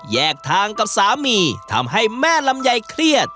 แยกทางกับสามีทำให้แม่ลำไยเครียด